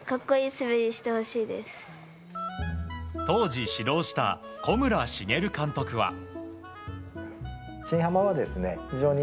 当時、指導した小村茂監督は。